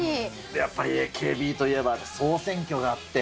やっぱりＡＫＢといえば、総選挙があって。